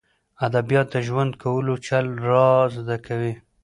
ادبیات د ژوند کولو چل را زده کوي.